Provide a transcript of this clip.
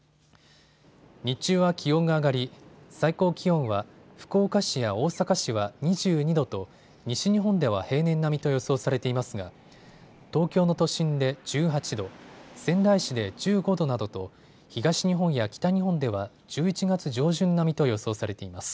日中は気温が上がり、最高気温は福岡市や大阪市は２２度と西日本では平年並みと予想されていますが東京の都心で１８度、仙台市で１５度などと東日本や北日本では１１月上旬並みと予想されています。